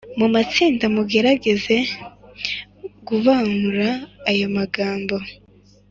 mu matsinda, mugerageze gubanura aya magambo